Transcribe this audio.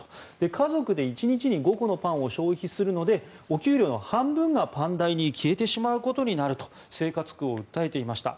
家族で１日に５個のパンを消費するのでお給料の半分がパン代に消えてしまうことになると生活苦を訴えていました。